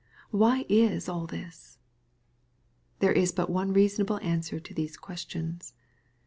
Why is all this ? There is but one reasonable answer to these questions.